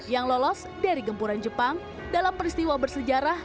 yang lolos dari gempuran jepang dalam peristiwa bersejarah